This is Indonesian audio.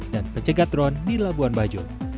dan pencegat drone di labuan bajo